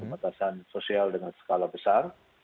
pembatasan sosial dengan skala besar